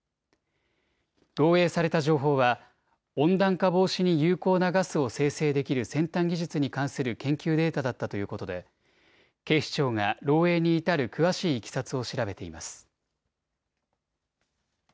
漏えいされた情報は温暖化防止に有効なガスを生成できる先端技術に関する研究データだったということで警視庁が漏えいに至る詳しいいきさつを調べています。